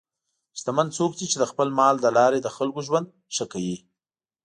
شتمن څوک دی چې د خپل مال له لارې د خلکو ژوند ښه کوي.